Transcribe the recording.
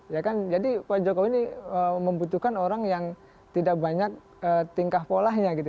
ya kan jadi pak jokowi ini membutuhkan orang yang tidak banyak tingkah polanya gitu